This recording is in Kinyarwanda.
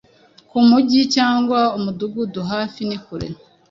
Kumujyi cyangwa Umudugudu hafi ni kure